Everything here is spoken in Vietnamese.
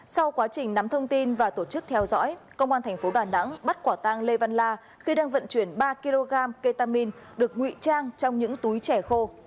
sau quá trình nắm thông tin và tổ chức theo dõi công an thành phố đà nẵng bắt quả tang lê văn la khi đang vận chuyển ba kg ketamin được ngụy trang trong những túi trẻ khô